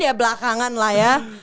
ya belakangan lah ya